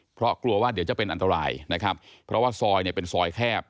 เพราะกลัวว่าเดี๋ยวจะเป็นอันตรายนะครับเพราะว่าซอยเนี่ยเป็นซอยแคบ